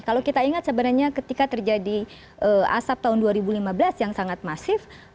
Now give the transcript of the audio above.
kalau kita ingat sebenarnya ketika terjadi asap tahun dua ribu lima belas yang sangat masif